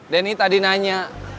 denny tadi nanya